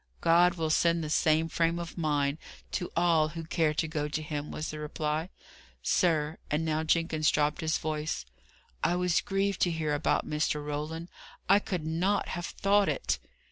"God will send the same frame of mind to all who care to go to Him," was the reply. "Sir," and now Jenkins dropped his voice, "I was grieved to hear about Mr. Roland. I could not have thought it."